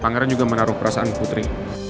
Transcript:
pangeran juga menaruh perasaan putri